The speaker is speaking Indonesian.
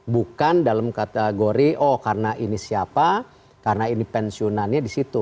bukan dalam kategori oh karena ini siapa karena ini pensiunannya di situ